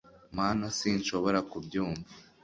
mana! sinshobora kubyumva